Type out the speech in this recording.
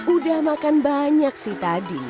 udah makan banyak sih tadi